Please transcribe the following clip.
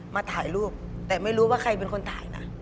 มาถ่ายรูปแต่ไม่รู้ว่าใครเป็นคนถ่ายนะ